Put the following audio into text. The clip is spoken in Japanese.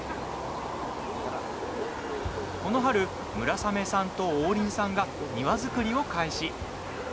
この春、村雨さんと王林さんが庭造りを開始。